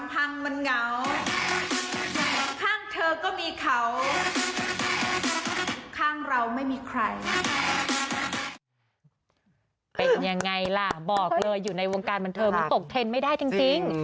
เป็นยังไงล่ะบอกเลยอยู่ในวงการบันเทิงมันตกเทรนด์ไม่ได้จริง